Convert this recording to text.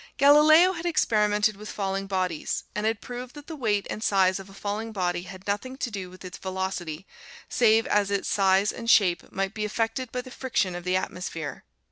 Galileo had experimented with falling bodies, and had proved that the weight and size of a falling body had nothing to do with its velocity, save as its size and shape might be affected by the friction of the atmosphere.